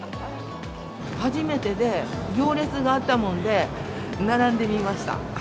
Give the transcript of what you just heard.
初めてで、行列があったもんで、並んでみました。